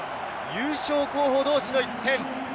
優勝候補同士の一戦。